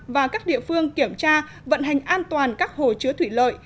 và các địa phương kiểm tra vận hành an toàn các hồ chứa thủy lợi